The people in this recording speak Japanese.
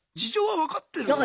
分かってるよ。